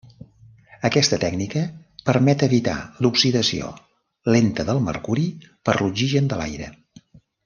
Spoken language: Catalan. Aquesta tècnica permet evitar l'oxidació lenta del mercuri per l'oxigen de l'aire.